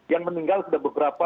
yang meninggal sudah beberapa